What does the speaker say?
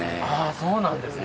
そうなんですね。